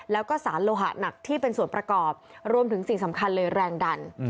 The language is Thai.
แล้วก็สารโลหะหนักที่เป็นส่วนประกอบรวมถึงสิ่งสำคัญเลยแรงดัน